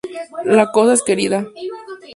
La cosa es querida".